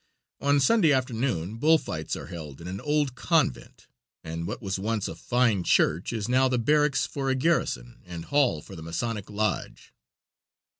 On Sunday afternoon bull fights are held in an old convent, and what was once a fine church is now the barracks for a garrison and hall for the Masonic lodge.